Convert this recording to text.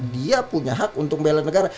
dia punya hak untuk bela negara